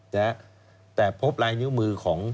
และพบลายนิ้วมือของ